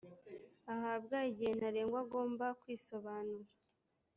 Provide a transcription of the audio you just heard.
ahabwa igihe ntarengwa agomba kwisobanura